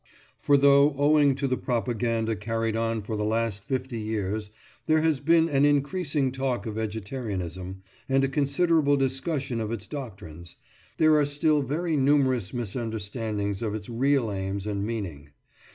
For though, owing to the propaganda carried on for the last fifty years, there has been an increasing talk of vegetarianism, and a considerable discussion of its doctrines, there are still very numerous misunderstandings of its real aims and meaning.